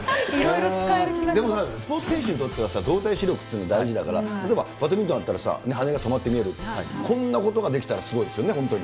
でも、スポーツ選手にとってはさ、動体視力って大事だから、例えばバドミントンだったら羽根が止まって見えるとか、こんなことができたらすごいですよね、本当に。